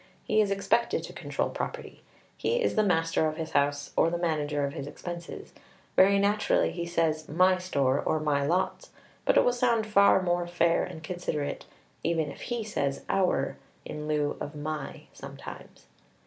He is expected to control property. He is the master of his house, or the manager of his expenses. Very naturally he says "my" store or "my" lots, but it will sound far more fair and considerate even if he says "our" in lieu of "my" sometimes.